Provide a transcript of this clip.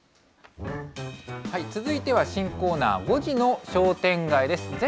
続いては新コーナー、５時の商店街です。